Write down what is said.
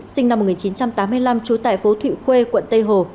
sinh năm một nghìn chín trăm tám mươi năm trú tại phố thụy khuê quận tây hồ